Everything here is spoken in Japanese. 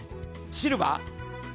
シルバー？